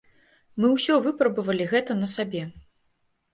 Мы ўсё выпрабавалі гэта на сабе.